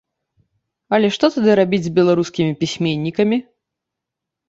Але што тады рабіць з беларускімі пісьменнікамі?